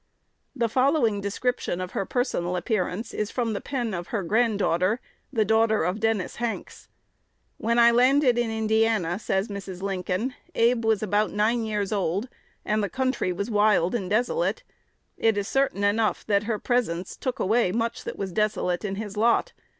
2 The following description of her personal appearance is from the pen of her granddaughter, the daughter of Dennis Hanks: "When I landed in Indiana," says Mrs. Lincoln, "Abe was about nine years old, and the country was wild and desolate. It is certain enough that her presence took away much that was desolate in his lot.